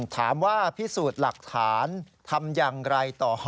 ถามว่าพิสูจน์หลักฐานทำอย่างไรต่อ